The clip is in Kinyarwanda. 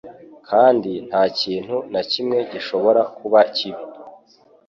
Kandi nta kintu na kimwe gishobora kuba kibi